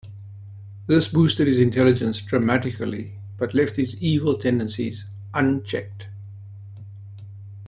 This boosted his intelligence dramatically, but left his evil tendencies unchecked.